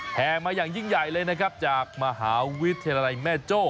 แห่มาอย่างยิ่งใหญ่เลยนะครับจากมหาวิทยาลัยแม่โจ้